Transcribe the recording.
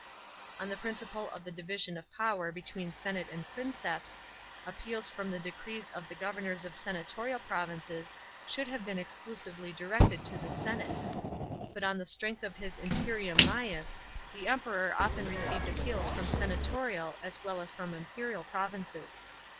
On the principle of the division of power between senate ami Princeps, appeals from the decrees of the governors of senatorial provinces should have been exclusively directed to the sena'e. But on the strength of his imperium mains the Emperor often received appeals from senatorial as well as from imperial provinces.